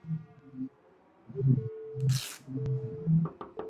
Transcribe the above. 乐曲短小而曲风明亮。